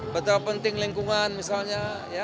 betapa penting lingkungan misalnya